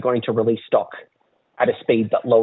dan mereka tidak akan memperoleh